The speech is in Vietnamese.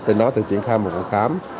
để nó được triển khai một cuộc khám